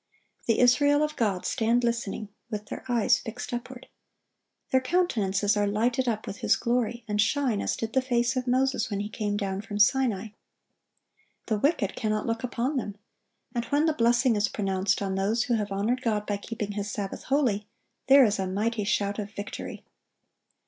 The Israel of God stand listening, with their eyes fixed upward. Their countenances are lighted up with His glory, and shine as did the face of Moses when he came down from Sinai. The wicked cannot look upon them. And when the blessing is pronounced on those who have honored God by keeping His Sabbath holy, there is a mighty shout of victory.